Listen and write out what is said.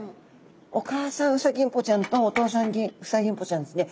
お母さんフサギンポちゃんとお父さんフサギンポちゃんですね